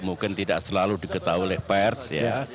mungkin tidak selalu diketahui oleh pers ya